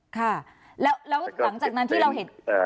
ค่ะแล้วหลังจากนั้นที่เราเห็น